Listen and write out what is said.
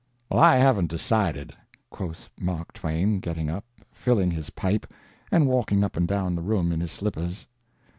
"I haven't decided," quoth Mark Twain, getting up, filling his pipe, and walking up and down the room in his slippers.